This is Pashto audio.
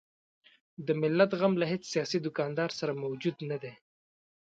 د ملت غم له هیڅ سیاسي دوکاندار سره موجود نه دی.